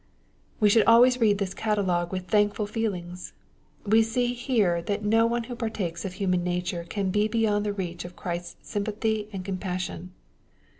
We should always read this catalogue with thankful feelings. We see here that no one who partakes of human nature can be beyond the reach of Christ's sympathy and compassion.